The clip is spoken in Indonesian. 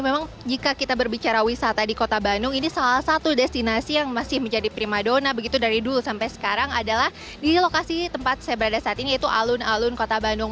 memang jika kita berbicara wisata di kota bandung ini salah satu destinasi yang masih menjadi prima dona begitu dari dulu sampai sekarang adalah di lokasi tempat saya berada saat ini yaitu alun alun kota bandung